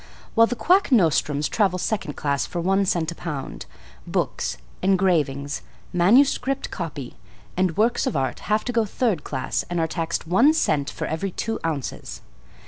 = While the quack nostrums travel second class for one cent a pound, books, engravings, manuscript copy, and works of art have to go third class and are taxed one cent for every two ounces.